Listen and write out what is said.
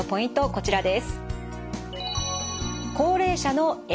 こちらです。